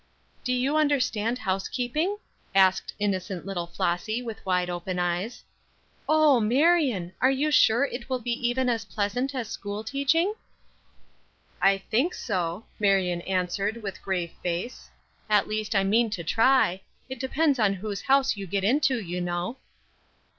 "Do you understand housekeeping?" asked innocent little Flossy, with wide open eyes. "Oh, Marion! are you sure it will be even as pleasant as school teaching?" "I think so," Marion answered with grave face. "At least, I mean to try. It depends on whose house you get into, you know."